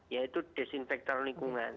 yaitu desinfektor lingkungan